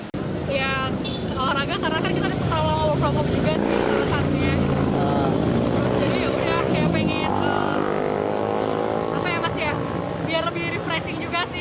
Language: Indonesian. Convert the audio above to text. ya olahraga karena kan kita ada setelah world cup juga sih